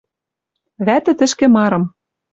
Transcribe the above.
Вӓтӹ тӹшкӹ марым: